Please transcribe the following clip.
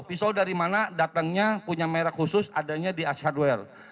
pisau dari mana datangnya punya merk khusus adanya di edge hardware